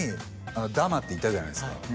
ダマっていたじゃないですか。